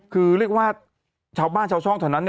คือเรียกว่าชาวบ้านชาวช่องแถวนั้น